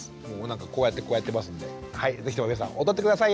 こうやってこうやってますんではい是非とも皆さん踊って下さい。